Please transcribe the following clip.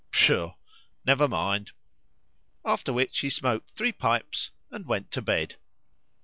Pshaw! never mind!" After which he smoked three pipes and went to bed.